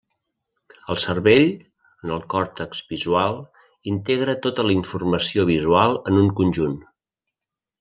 El cervell, en el còrtex visual, integra tota la informació visual en un conjunt.